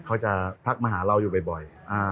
เขาจะทักมาหาเราอยู่บ่อย